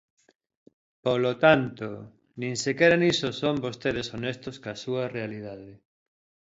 Polo tanto, nin sequera niso son vostedes honestos coa súa realidade.